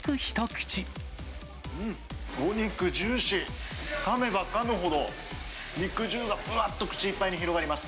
お肉ジューシー、かめばかむほど、肉汁がぶわっと口いっぱいに広がります。